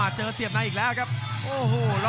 กรรมการเตือนทั้งคู่ครับ๖๖กิโลกรัม